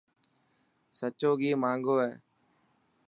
سچو گهي مهانگو هي.